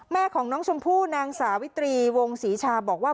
แม่ของน้องชมพู่นางสาวิตรีวงศรีชาบอกว่า